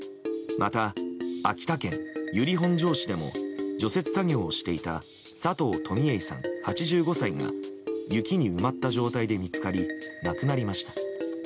また秋田県由利本荘市でも除雪作業としていた佐藤富榮さん、８５歳が雪に埋まった状態で見つかり亡くなりました。